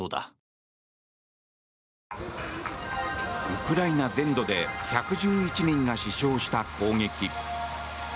ウクライナ全土で１１１人が死傷した攻撃。